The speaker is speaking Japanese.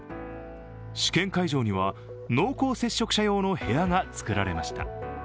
試験会場には、濃厚接触者用の部屋が作られました。